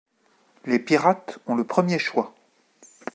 Les Pirates ont le premier choix.